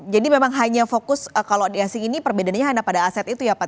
jadi memang hanya fokus kalau di asing ini perbedaannya hanya pada aset itu ya pak